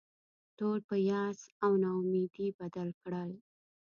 ټول په یاس او نا امیدي بدل کړل.